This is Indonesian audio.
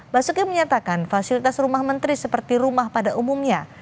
basuki menyatakan fasilitas rumah menteri seperti rumah pada umumnya